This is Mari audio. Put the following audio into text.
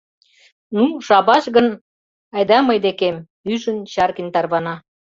— Ну, шабаш гын, айда мый декем, — ӱжын, Чаркин тарвана.